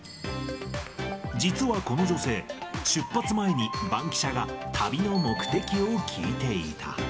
実はこの女性、出発前に、バンキシャが旅の目的を聞いていた。